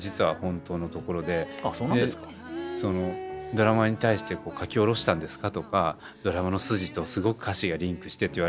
「ドラマに対して書き下ろしたんですか？」とか「ドラマの筋とすごく歌詞がリンクしてる」って言われると。